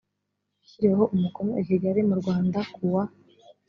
yashyiriweho umukono i kigali mu rwanda ku wa